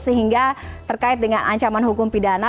sehingga terkait dengan ancaman hukum pidana